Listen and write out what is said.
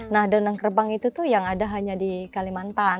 nah donald kerbang itu tuh yang ada hanya di kalimantan